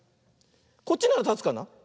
こっちならたつかな。